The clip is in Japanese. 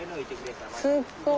すっごい。